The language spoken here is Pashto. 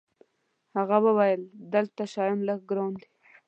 هغه وویل: دلته شیان لږ ګران دي.